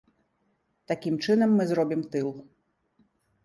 Такім чынам мы зробім тыл.